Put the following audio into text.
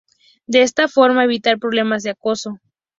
de esta forma evitar problemas de acoso